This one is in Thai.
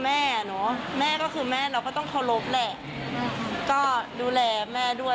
แม่เนอะแม่ก็คือแม่เราก็ต้องเคารพแหละก็ดูแลแม่ด้วย